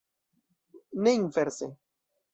Ne inverse.